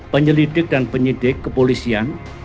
penyelidik dan penyidik kepolisian